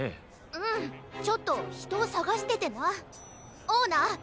うんちょっとひとをさがしててなオーナー